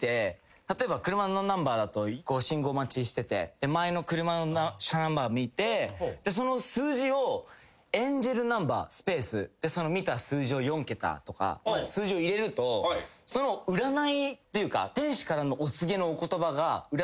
例えば車のナンバーだと信号待ちしてて前の車のナンバー見てその数字をエンジェルナンバースペース見た数字を４桁とか数字を入れるとその占いというか。